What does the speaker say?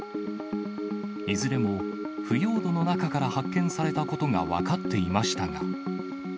いずれも腐葉土の中から発見されたことが分かっていましたが。